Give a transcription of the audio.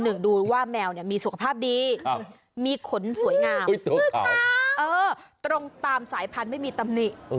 ดูว่าแมวเนี่ยมีสุขภาพดีมีขนสวยงามตรงตามสายพันธุ์ไม่มีตำหนิ